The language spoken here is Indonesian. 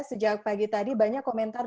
sejak pagi tadi banyak komentar